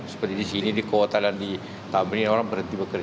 seperti di sini di kota dan di tamrin orang berhenti bekerja